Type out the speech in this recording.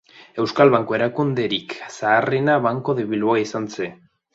Euskal banku-erakunderik zaharrena Banco de Bilbao izan zen.